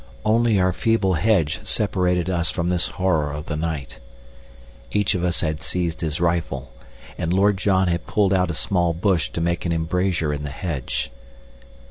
Only our feeble hedge separated us from this horror of the night. Each of us had seized his rifle, and Lord John had pulled out a small bush to make an embrasure in the hedge.